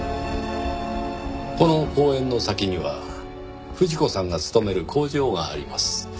この公園の先には富士子さんが勤める工場があります。